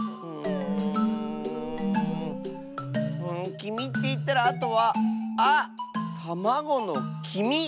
きみっていったらあとはあったまごのきみ！